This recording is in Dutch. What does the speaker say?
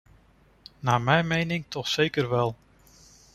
Naar mijn mening toch zeker wel.